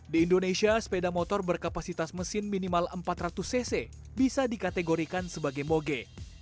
di indonesia sepeda motor berkapasitas mesin minimal empat ratus cc bisa dikategorikan sebagai moge